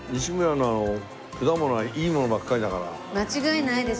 間違いないですよね。